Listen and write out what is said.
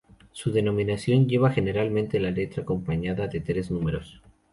Su denominación lleva generalmente una letra acompañada de tres números.